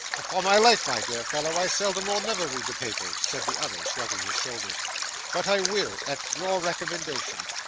'Upon my life, my dear fellow, I seldom or never read the papers,' said the other, shrugging his shoulders, 'but I will, at your recommendation.